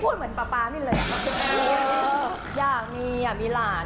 ไม่ม็นหนิยังไม่มั่น